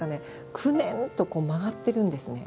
くねんと曲がってるんです。